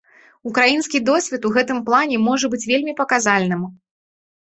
Украінскі досвед у гэтым плане можа быць вельмі паказальным.